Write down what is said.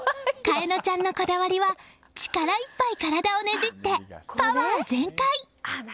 楓和ちゃんのこだわりは力いっぱい体をねじってパワー全開！